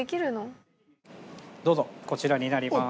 どうぞこちらになります。